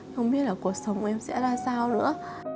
không biết là cuộc sống em sẽ ra sao nữa